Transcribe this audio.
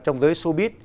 trong giới showbiz